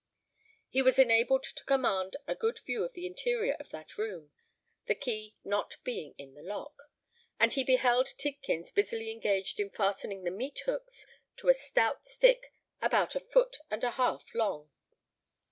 He was enabled to command a good view of the interior of that room, the key not being in the lock; and he beheld Tidkins busily engaged in fastening the meat hooks to a stout stick about a foot and a half long.